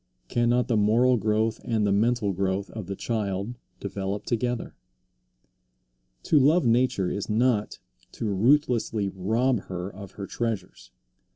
Cannot the moral growth and the mental growth of the child develop together? To love nature is not to ruthlessly rob her of her treasures.